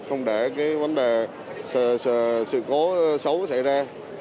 không để vấn đề sự khổ xấu xảy ra